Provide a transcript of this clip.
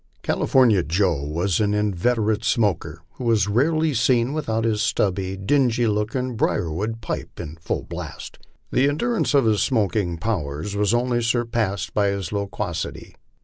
Cali fornia Joe was an inveterate smoker, and was rarely seen without his stubby, dingy looking brierwood pipe in full blast. The endurance of his smoking powers was only surpassed by his loquacity.